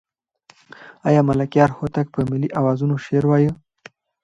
آیا ملکیار هوتک په ملي اوزانو شعر وایه؟